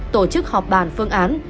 tổ chức họp bàn phương án